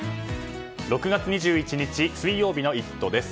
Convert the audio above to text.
６月２１日水曜日の「イット！」です。